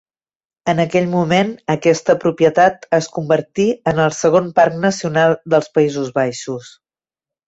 En aquell moment aquesta propietat es convertí en el segon parc nacional dels Països Baixos.